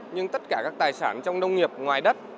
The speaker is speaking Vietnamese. nhưng tất cả các tài sản trong nông nghiệp ngoài đất